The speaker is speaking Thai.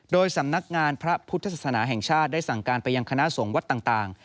โดยสำนักงานพระพุทธศาสนาแห่งชาติได้สั่งการไปยังคณะสงฆ์วัดต่าง